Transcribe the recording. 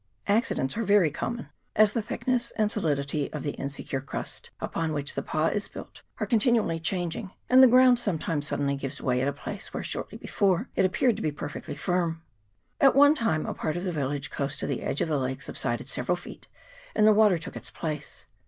Accidents are very common, as the thickness and solidity of the insecure crust upon which the pa is built are continually changing, and the ground sometimes suddenly gives way at a place where shortly before it appeared to be perfectly firm. At one time a part of the village close to the edge of the lake subsided several feet, and the water took its place.